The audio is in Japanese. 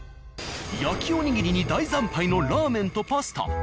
焼きおにぎりに大惨敗のらー麺とパスタ。